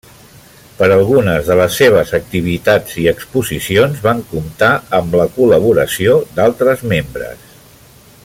Per algunes de les seves activitats i exposicions van comptar amb la col·laboració d'altres membres.